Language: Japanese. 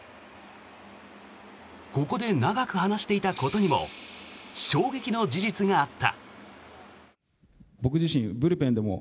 ここで、長く話していたことにも衝撃の事実があった。